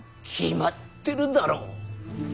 決まってるだろ。